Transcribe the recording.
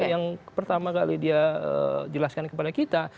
yang pertama kali dia jelaskan kepada kita